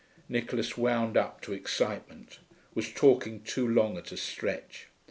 Nicholas, wound up to excitement, was talking too long at a stretch.